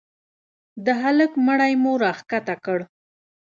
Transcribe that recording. د هلك مړى مو راکښته کړ.